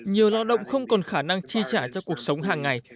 nhiều lao động không còn khả năng chi trả cho cuộc sống hàng ngày